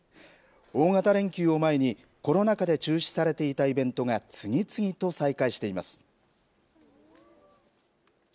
大型連休を前にコロナ禍で中止されていたイベントが次々と再開しています。